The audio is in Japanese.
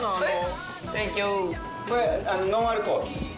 ノンアルコール。